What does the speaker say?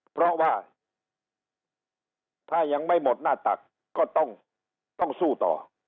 เพราะว่าถ้ายังไม่หมดหน้าตักก็ต้องสู้ต่อ